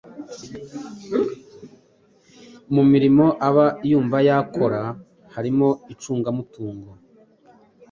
mu mirimo aba yumva yakor harimo icungamutungo,